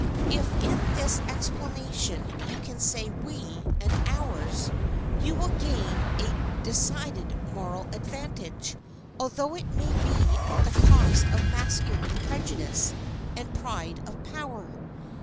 If in this explanation you can say 'we' and 'ours,' you will gain a decided moral advantage, although it may be at the cost of masculine prejudice and pride of power.